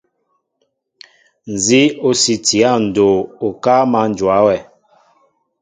Nzi o siini ya ndoo, okáá ma njóa wɛ.